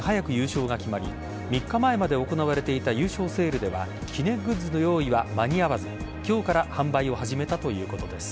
想定以上に早く優勝が決まり３日前まで行われていた優勝セールでは記念グッズの用意は間に合わず今日から販売を始めたということです。